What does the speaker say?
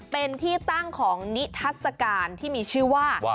เป็นที่ตั้งของนิทัศกาลที่มีชื่อว่า